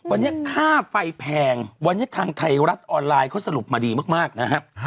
วันนี้ค่าไฟแพงวันนี้ทางไทยรัฐออนไลน์เขาสรุปมาดีมากนะครับ